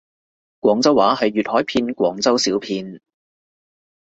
廣州話係粵海片廣州小片